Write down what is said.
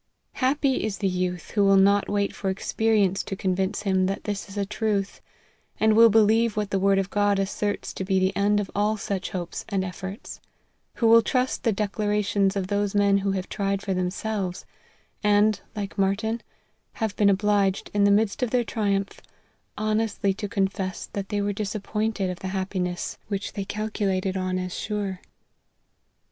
Happy is the youth who will not wait for experience to convince him that this is a truth, and will believe what the word of God asserts to be the end of all such hopes and efforts ; who will trust the declarations of those men who have tried for themselves, and, like Martyn, have been obliged, in the midst of their triumph, honestly to confess that they were disappointed of the happi ness which they calculated on as sure.